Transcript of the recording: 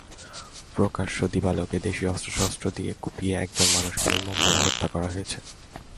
প্রকাশ্য দিবালোকে দেশি অস্ত্রশস্ত্র দিয়ে কুপিয়ে একজন মানুষকে নির্মমভাবে হত্যা করা হয়েছে।